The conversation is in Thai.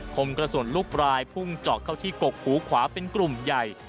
คมกระสุนลูกปลายพุ่งเจาะเข้าที่กกหูขวาเป็นกลุ่มใหญ่